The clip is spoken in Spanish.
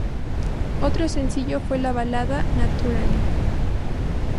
El otro sencillo fue la balada "Naturally.